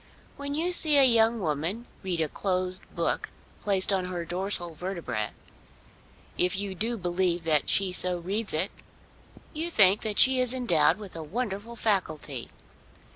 When you see a young woman read a closed book placed on her dorsal vertebræ, if you do believe that she so reads it, you think that she is endowed with a wonderful faculty!